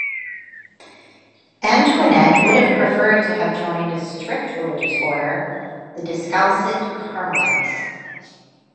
Antoinette would have preferred to have joined a strict religious order, the Discalced Carmelites.